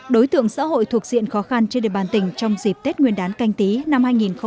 đối tượng xã hội thuộc diện khó khăn trên địa bàn tỉnh trong dịp tết nguyên đán canh tí năm hai nghìn hai mươi